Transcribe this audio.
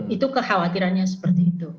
itu kekhawatirannya seperti itu